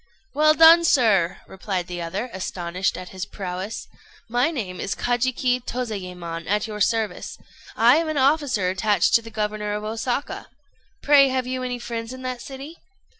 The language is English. "Well done, sir!" replied the other, astonished at his prowess. "My name is Kajiki Tozayémon, at your service. I am an officer attached to the governor of Osaka. Pray, have you any friends in that city?"